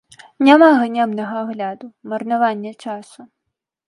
Няма ганебнага агляду, марнавання часу!